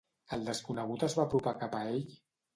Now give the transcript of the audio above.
El desconegut es va apropar cap a ell?